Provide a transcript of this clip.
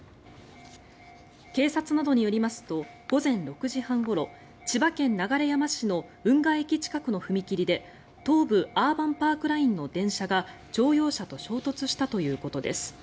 警察などによりますと午前６時半ごろ千葉県流山市の運河駅近くの踏切で東武アーバンパークラインの電車が乗用車と衝突したということです。